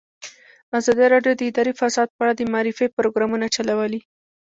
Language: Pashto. ازادي راډیو د اداري فساد په اړه د معارفې پروګرامونه چلولي.